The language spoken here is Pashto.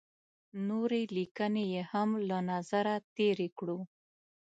نورې لیکنې یې هم له نظره تېرې کړو.